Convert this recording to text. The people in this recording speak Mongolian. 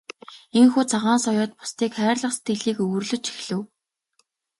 Ийнхүү Цагаан соёот бусдыг хайрлах сэтгэлийг өвөрлөж эхлэв.